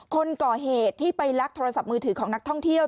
คนก่อเหตุที่ไปลักโทรศัพท์มือถือของนักท่องเที่ยว